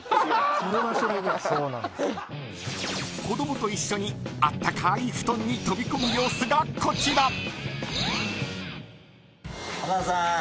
子どもと一緒に、あったかい布団に飛び込む様子がこちら。